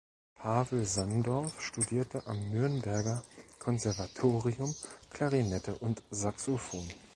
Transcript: Pavel Sandorf studierte am Nürnberger Konservatorium Klarinette und Saxophon.